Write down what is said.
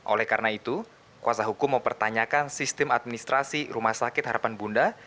oleh karena itu kuasa hukum mempertanyakan sistem administrasi rumah sakit harapan bunda